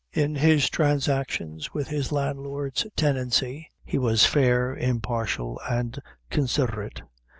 In his transactions with his landlord's tenancy, he was fair, impartial, and considerate.